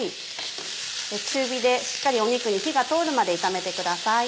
中火でしっかり肉に火が通るまで炒めてください。